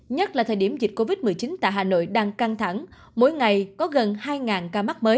nhất là thời điểm dịch covid một mươi chín tại hà nội đang căng thẳng mỗi ngày có gần hai ca mắc mới